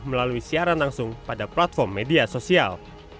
melalui siaran langsung pada platform media sosial